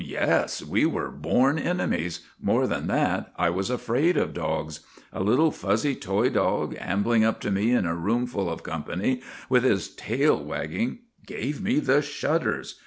" Yes, we were born enemies. More than that, I was afraid of dogs. A little fuzzy toy dog, ambling up to me in a room full of company, with his tail wagging, gave me the shudders.